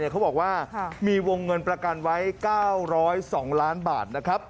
เขาบอกว่ามีวงเงินประกันไว้๙๐๒ล้านบาทนะครับ